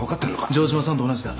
城島さんと同じだ。